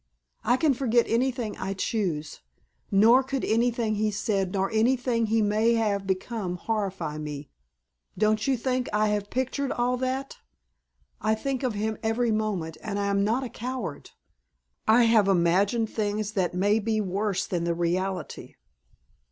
"I can forget anything I choose. Nor could anything he said, nor anything he may have become, horrify me. Don't you think I have pictured all that? I think of him every moment and I am not a coward. I have imagined things that may be worse than the reality."